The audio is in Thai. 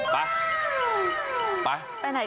ไป